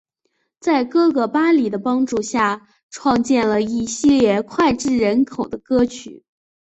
在哥哥巴里的帮助下创作了一系列脍炙人口的歌曲。